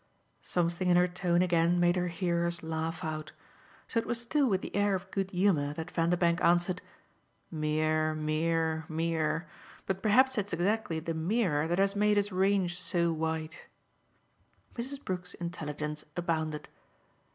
Something in her tone again made her hearers laugh out; so it was still with the air of good humour that Vanderbank answered: "Mere, mere, mere. But perhaps it's exactly the 'mere' that has made us range so wide." Mrs. Brook's intelligence abounded.